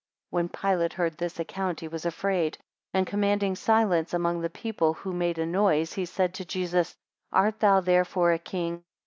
18 When Pilate heard this account, he was afraid; and commanding silence among the people, who made a noise, he said to Jesus, Art thou therefore a king?